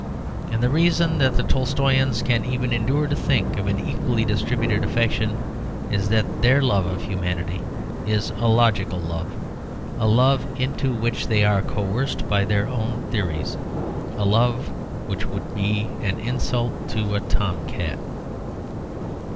And the reason that the Tolstoians can even endure to think of an equally distributed affection is that their love of humanity is a logical love, a love into which they are coerced by their own theories, a love which would be an insult to a tom cat.